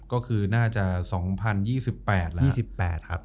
ก็คือน่าจะ๒๐๒๘แล้ว